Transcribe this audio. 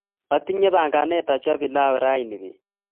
Atinye panganet achop pilau rani beet.